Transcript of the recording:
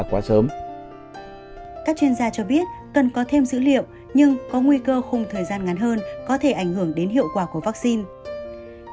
các chuyên gia cho biết cần có thêm dữ liệu nhưng có nguy cơ khung thời gian ngắn hơn có thể ảnh hưởng đến hiệu quả của vaccine